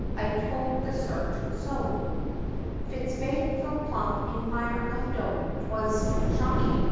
I towld the sergeant so." Fitz Binks fell plump in mire of doubt, 'twas shocking!